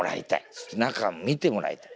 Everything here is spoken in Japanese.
そして中見てもらいたい。